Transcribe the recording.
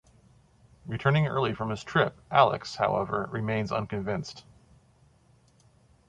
Returning early from his trip, Alex, however, remains unconvinced.